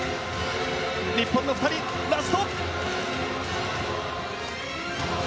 日本の２人、ラスト。